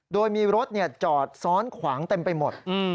โดยมีรถจอดซ้อนขวางเต็มไปหมด